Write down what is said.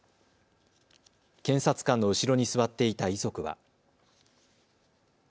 検察官の後ろに座っていた遺族は。